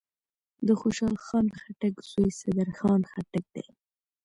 دخوشحال خان خټک زوی صدرخان خټک دﺉ.